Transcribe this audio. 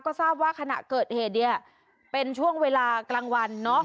ก็ทราบว่าขณะเกิดเหตุเนี่ยเป็นช่วงเวลากลางวัน